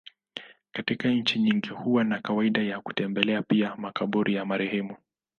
Katika nchi nyingi huwa na kawaida ya kutembelea pia makaburi ya marehemu.